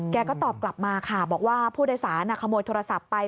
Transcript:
ก็ตอบกลับมาค่ะบอกว่าผู้โดยสารขโมยโทรศัพท์ไป